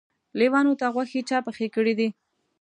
لېوانو ته غوښې چا پخې کړی دي.